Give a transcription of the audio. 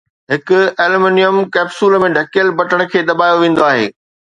هڪ aluminium capsule ۾ ڍڪيل، بٽڻ کي دٻايو ويندو آهي